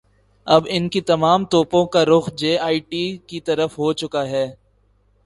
اب ان کی تمام توپوں کا رخ جے آئی ٹی کی طرف ہوچکا ہے۔